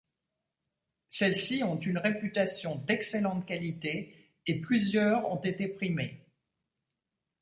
Celles-ci ont une réputation d'excellente qualité et plusieurs ont été primées.